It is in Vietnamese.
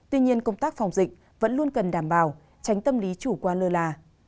tuy nhiên công tác phòng dịch vẫn luôn cần đảm bảo tránh tâm lý chủ quan lơ là